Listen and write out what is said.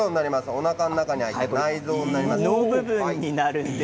おなかの中に入っている内臓になります。